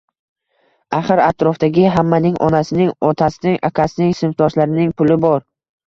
axir atrofidagi hammaning – onasining, otasining, akasining, sinfdoshlarining puli bor;